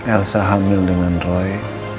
elsa hamil dengan roy